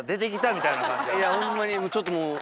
いやホンマにちょっともう。